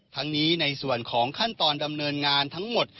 ทั้งนี้ในส่วนของขั้นตอนดำเนินงานทั้งหมด